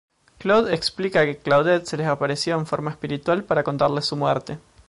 Claude explica que Claudette se les apareció en forma espiritual para contarles su muerte.